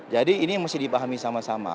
jadi ini mesti dipahami sama sama